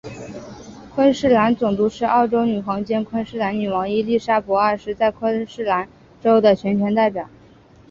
昆士兰总督是澳洲女皇兼昆士兰女王伊利沙伯二世在昆士兰州的全权代表。